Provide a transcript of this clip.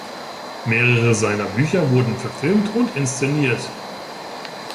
Mehrere seiner Bücher wurden verfilmt und inszeniert.